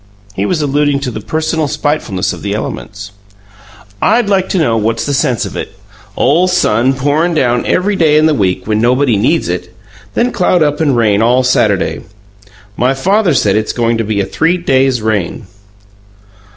(He was alluding to the personal spitefulness of the elements.) "I'd like to know what's the sense of it ole sun pourin' down every day in the week when nobody needs it, then cloud up and rain all Saturday! My father said it's goin' to be a three days' rain."